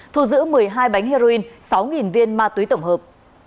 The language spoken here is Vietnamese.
thu giữ một mươi hai bánh heroin sáu viên ma túy tổng hợp